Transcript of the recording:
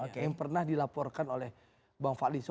yang pernah dilaporkan oleh bang fadlison